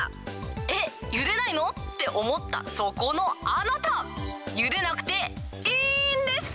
えっ、ゆでないの？って思ったそこのあなた、ゆでなくていいんです。